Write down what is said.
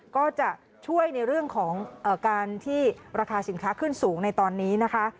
ก็จะช่วยในเรื่องของการที่ราคาสินค้าขึ้นสูงในตอนนี้นะคะ